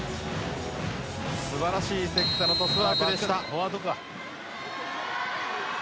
素晴らしい関田のトスワークでした。